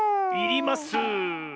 いります。